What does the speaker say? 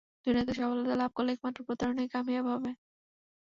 দুনিয়াতে সফলতা লাভ করলে একমাত্র প্রতারণাই কামিয়াব হবে।